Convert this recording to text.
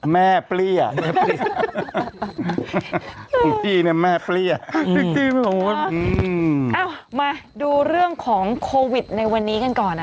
มาดูเรื่องของโควิดในวันนี้กันก่อนนะคะ